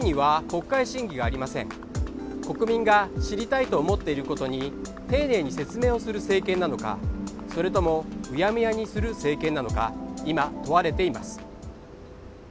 国民が知りたいと思っていることに丁寧に説明をする政権なのか、それとも、うやむやにする政権なのか、今問われています。